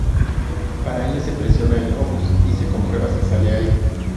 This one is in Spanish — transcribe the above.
Para ello se presiona el obús y se comprueba si sale aire.